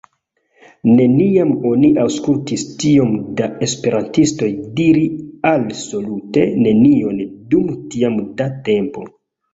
Neniam oni aŭskultis tiom da esperantistoj diri alsolute nenion dum tiam da tempo.